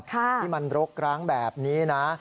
ที่มันรกร้างแบบนี้นะ